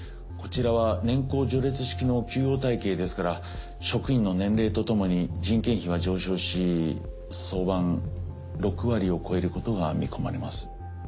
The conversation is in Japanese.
こちらは年功序列式の給与体系ですから職員の年齢とともに人件費は上昇し早晩６割を超えることが見込まれます。